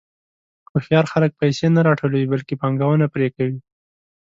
هوښیار خلک پیسې نه راټولوي، بلکې پانګونه پرې کوي.